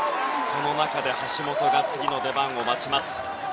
その中で、橋本が次の出番を待ちます。